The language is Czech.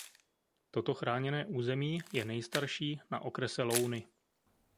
Toto chráněné území je nejstarší na okrese Louny.